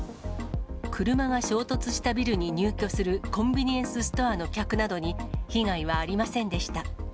車が衝突したビルに入居するコンビニエンスストアの客などに被害はありませんでした。